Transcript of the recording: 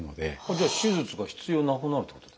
じゃあ手術が必要なくなるってことですか？